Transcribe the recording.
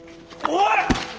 おい！